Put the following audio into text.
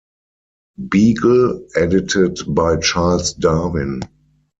Beagle, edited by Charles Darwin.